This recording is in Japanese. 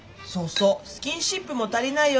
スキンシップも足りないよね。